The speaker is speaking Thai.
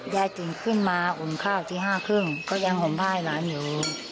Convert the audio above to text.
ยายจิ๋งขึ้นมาอุ่นข้าวที่๕๓๐ก็ยังโหมพ่ายหลานอยู่